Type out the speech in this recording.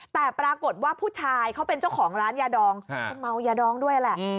แต่ปรากฏว่าผู้ชายเขาเป็นเจ้าของร้านยาดองมันเมายาดองด้วยแหละ